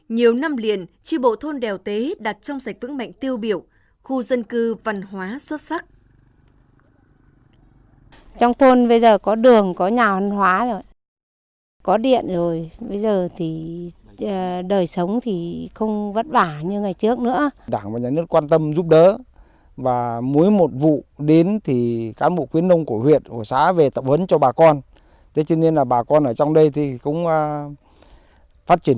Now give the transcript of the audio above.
nhiều năm liền tri bộ thôn đèo tế đặt trong sạch vững mạnh tiêu biểu khu dân cư văn hóa xuất sắc